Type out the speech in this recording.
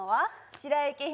白雪姫。